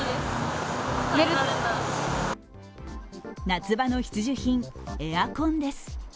夏場の必需品、エアコンです。